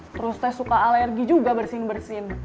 terus saya suka alergi juga bersin bersin